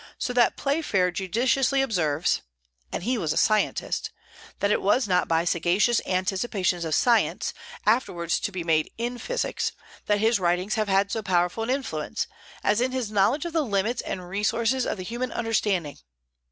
So that Playfair judiciously observes (and he was a scientist) "that it was not by sagacious anticipations of science, afterwards to be made in physics, that his writings have had so powerful an influence, as in his knowledge of the limits and resources of the human understanding.